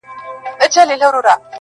یو اروامست د خرابات په اوج و موج کي ویل